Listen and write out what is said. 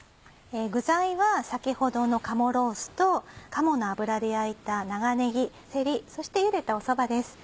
具材は先ほどの鴨ロースと鴨の脂で焼いた長ねぎせりそしてゆでたそばです。